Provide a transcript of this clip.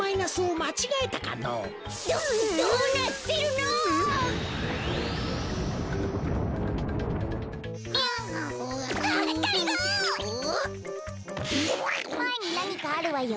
まえになにかあるわよ。